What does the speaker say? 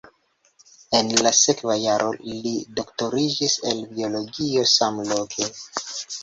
En la sekva jaro li doktoriĝis el biologio samloke.